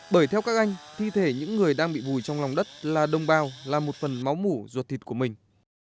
bởi theo các anh thi thể những người đang bị vùi trong lòng đất là đồng bào là một phần máu mủ ruột thịt của mình